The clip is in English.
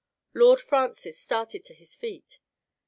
Lord Francis started to his feet.